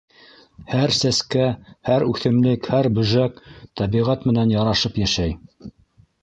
Һәр сәскә, һәр үҫемлек, һәр бөжәк тәбиғәт менән ярашып йәшәй.